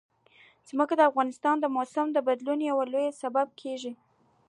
ځمکه د افغانستان د موسم د بدلون یو لوی سبب کېږي.